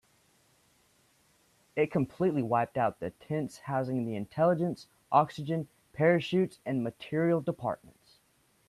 It completely wiped out the tents housing the intelligence, oxygen, parachutes and materiel departments.